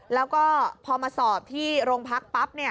แล้วก็พอมาสอบที่โรงพักปั๊บ